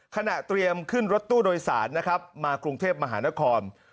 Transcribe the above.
เตรียมขึ้นรถตู้โดยสารนะครับมากรุงเทพมหานคร